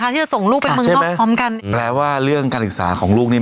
ที่จะส่งลูกไปเมืองนอกพร้อมกันแปลว่าเรื่องการศึกษาของลูกนี่